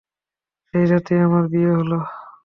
সেই রাতেই আমার বিয়ে হল।